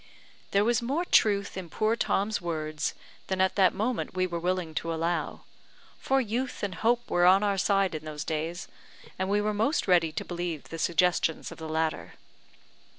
There was more truth in poor Tom's words than at that moment we were willing to allow; for youth and hope were on our side in those days, and we were most ready to believe the suggestions of the latter.